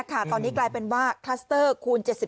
ตอนนี้กลายเป็นว่าคลัสเตอร์คูณ๗๐